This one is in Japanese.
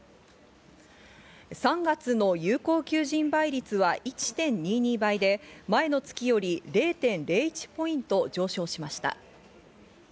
３月の有効求人倍率は１．２２倍で前の月より０．０１ポイント上昇しました。